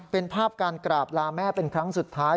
เป็นภาพการกราบลาแม่เป็นครั้งสุดท้าย